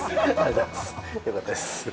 よかったです。